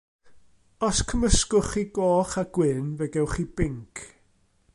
Os cymysgwch chi goch a gwyn fe gewch chi binc.